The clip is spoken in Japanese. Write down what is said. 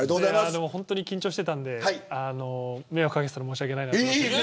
本当に緊張していたので迷惑かけていたら申し訳ないなと思って。